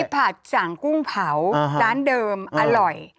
ผัดสั่งกุ้งเผาร้านเดิมอร่อย